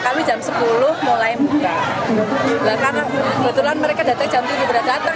karena kebetulan mereka datang jam sepuluh sudah datang